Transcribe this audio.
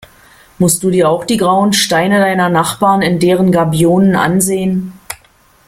Musst du dir auch die grauen Steine deiner Nachbarn in deren Gabionen ansehen?